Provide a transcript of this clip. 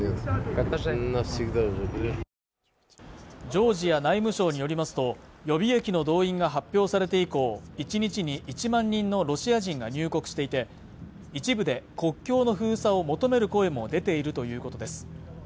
ジョージア内務省によりますと予備役の動員が発表されて以降１日に１万人のロシア人が入国していて一部で国境の封鎖を求める声も出ているということです